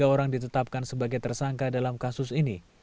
tiga orang ditetapkan sebagai tersangka dalam kasus ini